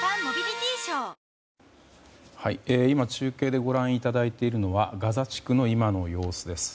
今、中継でご覧いただいているのはガザ地区の今の様子です。